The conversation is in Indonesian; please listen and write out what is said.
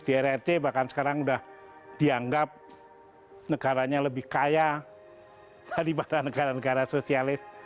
di rrc bahkan sekarang sudah dianggap negaranya lebih kaya daripada negara negara sosialis